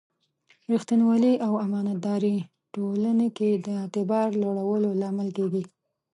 ریښتینولي او امانتداري ټولنې کې د اعتبار لوړولو لامل کېږي.